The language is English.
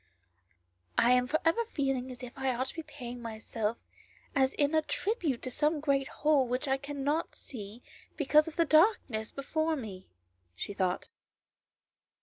I am for ever feeling as if I ought to be paying myself in as a tribute to some great whole which I cannot see because of the darkness before me," she thought.